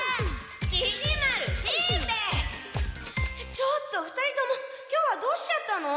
ちょっと２人とも今日はどうしちゃったの？